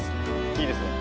いいですね？